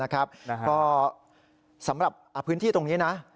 ก็สำหรับพื้นที่ตรงนี้นะ